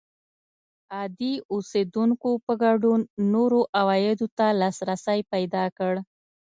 عادي اوسېدونکو په ګډون نورو عوایدو ته لاسرسی پیدا کړ